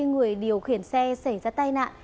người điều khiển xe xảy ra tai nạn